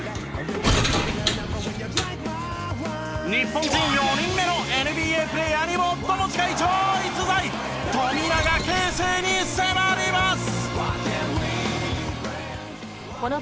日本人４人目のＮＢＡプレーヤーに最も近い超逸材富永啓生に迫ります！